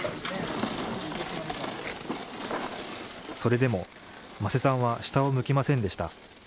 それでも間瀬さんは下を向きませんでした。